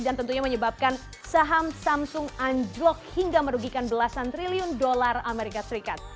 dan tentunya menyebabkan saham samsung unjlock hingga merugikan belasan triliun dolar amerika serikat